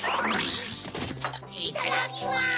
いただきます！